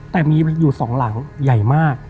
แต่มีอยู่สองหลังใหญ่มาก